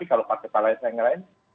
kalau partai partai lain